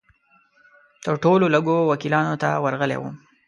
تر ټولو لږو وکیلانو ته ورغلی وم.